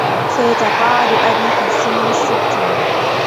سيتقاعد أبي في سن الستين.